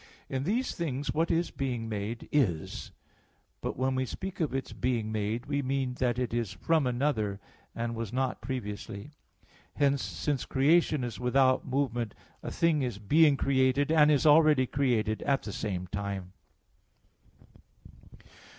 In these things what is being made, is; but when we speak of its being made, we mean that it is from another, and was not previously. Hence since creation is without movement, a thing is being created and is already created at the same time.